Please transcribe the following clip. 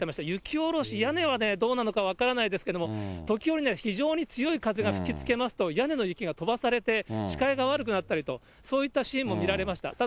雪下ろし、屋根はどうなのか分からないですけれども、時折、非常に強い風が吹きつけますと、屋根の雪が飛ばされて、視界が悪くなったりと、そういったシーンも見られました。